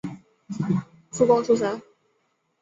附贡出身。